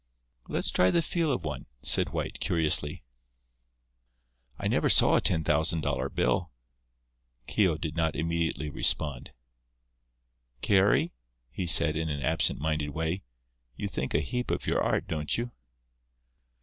"Let's try the feel of one," said White, curiously. "I never saw a thousand dollar bill." Keogh did not immediately respond. "Carry," he said, in an absent minded way, "you think a heap of your art, don't you?"